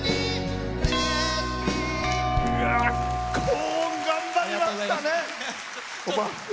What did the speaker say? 高音、頑張りましたね。